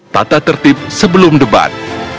tata tertib sebelum debat